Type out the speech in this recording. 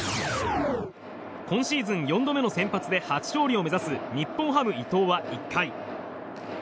今シーズン４度目の先発で初勝利を目指す日本ハム、伊藤は１回。